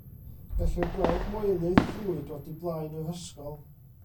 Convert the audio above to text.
Gellir gweld Moelydd Clwyd o du blaen yr ysgol.